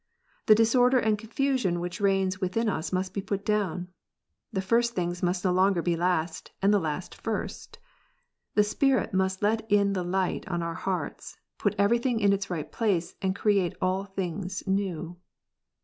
The disorder and confusion which reigns within us must be put down. The first things must no longer be last, and the last first. The Spirit must let in the light on our hearts, put everything in its right place, and create all things new.